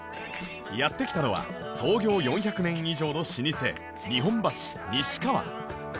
やって来たのは創業４００年以上の老舗日本橋西川